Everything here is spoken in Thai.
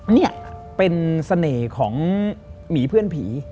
นี่เป็นเสน่ห์ของหมีเพื่อนผี